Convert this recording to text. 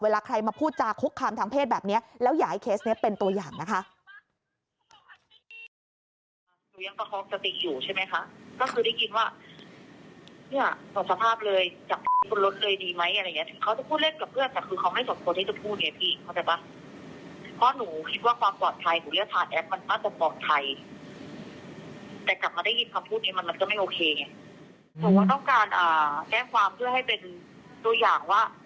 ใครมาพูดจาคุกคามทางเพศแบบนี้แล้วอยากให้เคสนี้เป็นตัวอย่างนะคะ